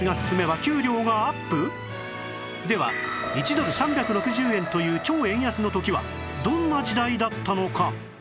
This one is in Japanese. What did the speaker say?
では１ドル３６０円という超円安の時はどんな時代だったのか？